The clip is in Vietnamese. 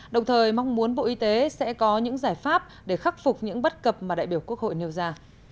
đồng thời mong muốn bộ y tế sẽ có những giải pháp để khắc phục những bất cập mà đại biểu quốc hội nêu ra